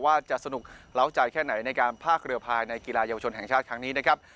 ว่าจะสนุกเล้าใจแค่ไหนในการพากเรือภายในกีฬาเยาวชนแห่งชาติครั้งนี้นะครับ